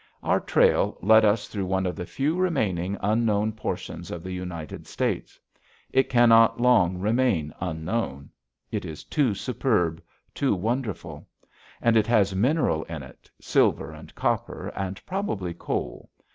Our trail led us through one of the few remaining unknown portions of the United States. It cannot long remain unknown. It is too superb, too wonderful. And it has mineral in it, silver and copper and probably coal.